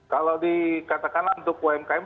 kalau dikatakanlah untuk umkm